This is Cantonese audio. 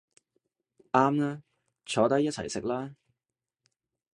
啱吖，坐低一齊食啦